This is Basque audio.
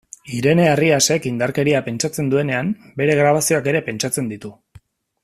Irene Arriasek, indarkeria pentsatzen duenean, haren grabazioak ere pentsatzen ditu.